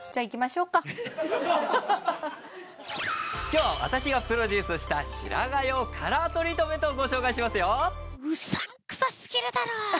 今日は私がプロデュースした白髪用カラートリートメントをご紹介しますよ